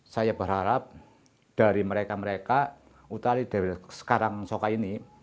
saya berharap dari mereka mereka utali dari sekarang soka ini